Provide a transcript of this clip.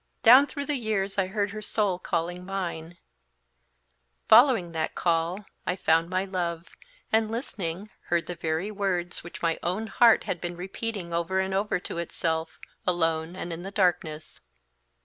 Down through the years I heard her soul calling mine; following that call, I found my love, and listening, heard the very words which my own heart had been repeating over and over to itself, alone and in the darkness."